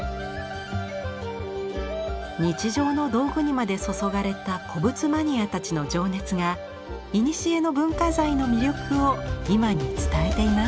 日常の道具にまで注がれた古物マニアたちの情熱がいにしえの文化財の魅力を今に伝えています。